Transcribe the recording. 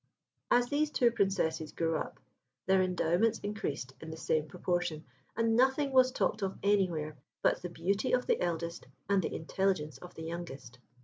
As these two Princesses grew up, their endowments increased in the same proportion, and nothing was talked of anywhere but the beauty of the eldest and the intelligence of the youngest.